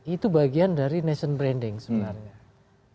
itu bagian dari nation branding sebenarnya